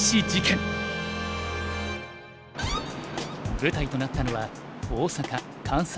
舞台となったのは大阪関西棋院。